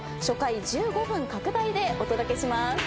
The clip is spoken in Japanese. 初回１５分拡大でお届けします。